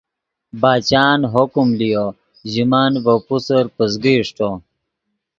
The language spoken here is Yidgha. باچان حکم لیو ژے من ڤے پوسر پزگے اݰٹو